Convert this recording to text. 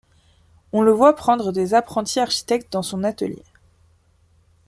On le voit prendre des apprentis architectes dans son atelier.